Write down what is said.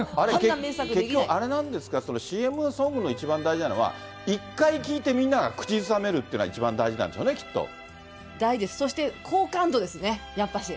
結局、あれなんですか、ＣＭソングの一番大事なのは、一回聴いてみんなが口ずさめるっていうのが一番大事なんでしょうそして好感度ですね、やっぱり。